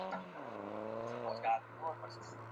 که رابعې نصیحت کړی وای نو شخړه به نه پېښېدې.